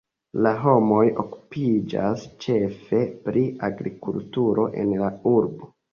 La homoj okupiĝas ĉefe pri agrikulturo en la urbo.